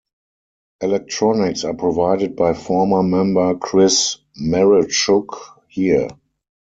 Electronics are provided by former member Chris Mereschuk here.